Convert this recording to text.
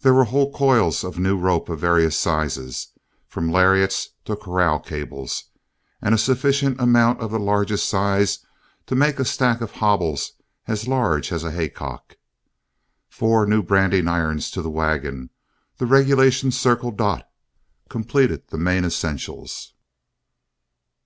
There were whole coils of new rope of various sizes, from lariats to corral cables, and a sufficient amount of the largest size to make a stack of hobbles as large as a haycock. Four new branding irons to the wagon, the regulation "Circle Dot," completed the main essentials.